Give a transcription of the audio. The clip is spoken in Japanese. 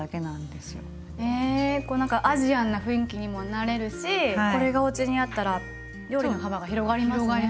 へえこう何かアジアンな雰囲気にもなれるしこれがおうちにあったら料理の幅が広がりますね。